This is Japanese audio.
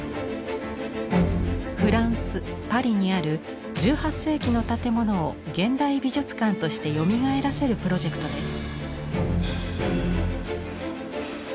フランスパリにある１８世紀の建物を現代美術館としてよみがえらせるプロジェクトです。